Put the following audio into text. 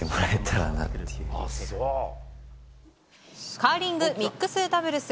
カーリングミックスダブルス。